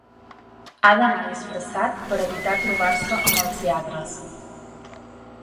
Ha d'anar disfressat per evitar trobar-se amb els lladres.